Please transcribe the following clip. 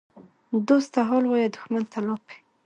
دوست ته حال وایه، دښمن ته لاپې.